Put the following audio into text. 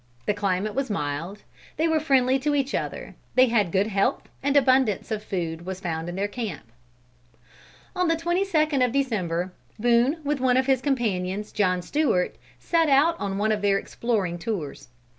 The climate was mild; they were friendly to each other; they had good health and abundance of food was found in their camp. On the twenty second of December, Boone, with one of his companions, John Stewart, set out on one of their exploring tours.